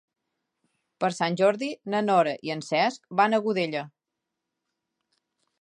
Per Sant Jordi na Nora i en Cesc van a Godella.